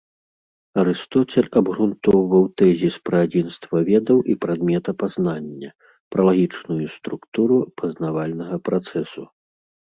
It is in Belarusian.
Арыстоцель абгрунтоўваў тэзіс пра адзінства ведаў і прадмета пазнання, пра лагічную структуру пазнавальнага працэсу.